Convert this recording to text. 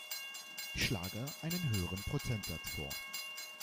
Ich schlage einen höheren Prozentsatz vor.